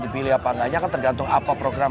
dipilih apa enggaknya kan tergantung apa program